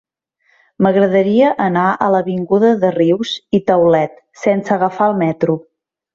M'agradaria anar a l'avinguda de Rius i Taulet sense agafar el metro.